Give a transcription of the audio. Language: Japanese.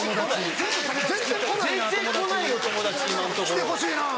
来てほしいな。